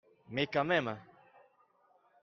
mais quand même.